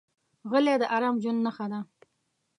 غلی، د ارام ژوند نښه ده.